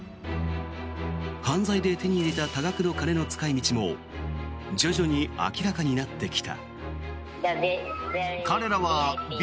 犯罪で手に入れた多額の金の使い道も徐々に明らかになってきた。